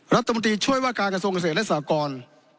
รัฐตมตีช่วยว่าการกระทรวงเงินเศรษฐ์และสากร